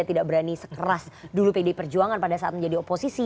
tidak berani sekeras dulu pd perjuangan pada saat menjadi oposisi